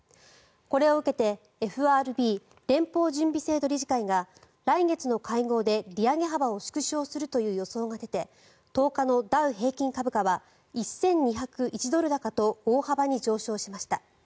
これを受けてＦＲＢ・連邦準備制度理事会が来月の会合で、利上げ幅を縮小するという予想が出て１０日のダウ平均株価は１２０１ドル高と大幅に上昇しました。